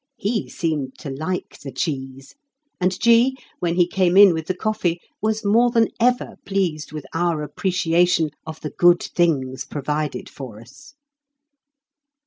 He seemed to like the cheese; and G., when he came in with the coffee, was more than ever pleased with our appreciation of the good things provided for us.